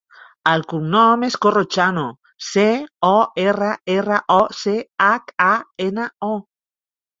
El cognom és Corrochano: ce, o, erra, erra, o, ce, hac, a, ena, o.